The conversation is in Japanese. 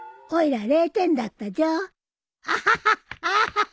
アハハアハハ。